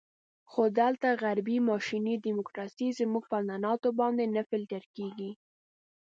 خو دلته غربي ماشیني ډیموکراسي زموږ په عنعناتو باندې نه فلتر کېږي.